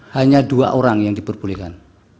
hanya dua orang yang diperbolehkan